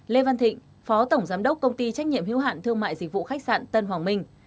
lê văn thịnh phó tổng giám đốc công ty trách nhiệm hiếu hạn thương mại dịch vụ khách sạn tân hoàng minh